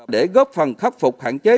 để góp phần khắc phục hạn chế